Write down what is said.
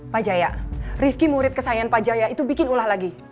pak jaya rifki murid kesayangan pak jaya itu bikin ulah lagi